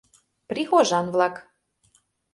Прихожан-влак...